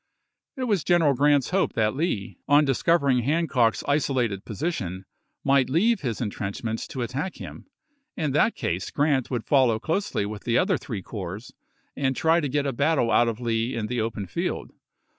It was General G rant's hope that Lee, on discov ering Hancock's isolated position, might leave his intrenchments to attack him ; in that case Grant would follow closely with the other three corps and try to get a battle out of Lee in the open field.